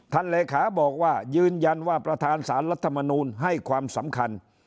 เลขาบอกว่ายืนยันว่าประธานสารรัฐมนูลให้ความสำคัญ